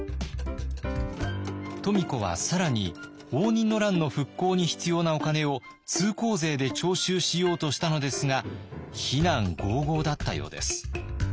富子は更に応仁の乱の復興に必要なお金を通行税で徴収しようとしたのですが非難ごうごうだったようです。